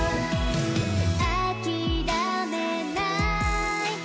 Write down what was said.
「あきらめない！」